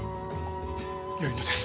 よいのです。